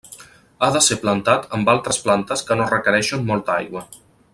Ha de ser plantat amb altres plantes que no requereixen molta aigua.